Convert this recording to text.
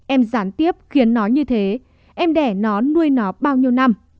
em gián tiếp khiến nó như thế em đẻ nó nuôi nó bao nhiêu năm